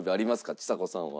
ちさ子さんは。